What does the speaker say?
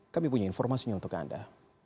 kami punya informasinya untuk anda